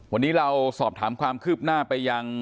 วันนี้เราสอบถามความคืบหน้าไปยัง